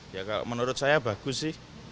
ya kalau menurut saya bagus sih